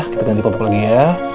kita ganti popok lagi ya